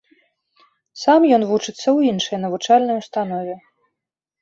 Сам ён вучыцца ў іншай навучальнай установе.